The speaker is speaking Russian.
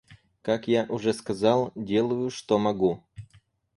Как я уже сказал, делаю, что могу.